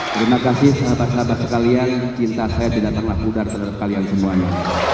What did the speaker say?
terima kasih sahabat sahabat sekalian cinta saya tidak pernah pudar terhadap kalian semuanya